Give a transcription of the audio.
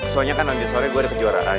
soalnya kan langit sore gua ada kejuaraan